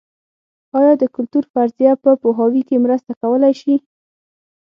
ایا د کلتور فرضیه په پوهاوي کې مرسته کولای شي؟